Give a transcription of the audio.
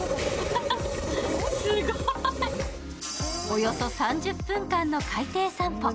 およそ３０分間の海底散歩。